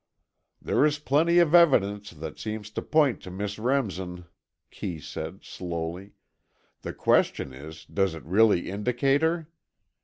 "There is plenty of evidence that seems to point to Miss Remsen," Kee said, slowly, "the question is, does it really indicate her?